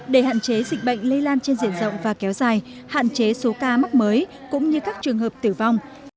để hạn chế dịch bệnh lây lan trên diện rộng và kéo dài hạn chế số ca mắc mới cũng như các trường hợp tử vong